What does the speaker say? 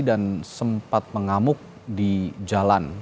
dan sempat mengamuk di jalan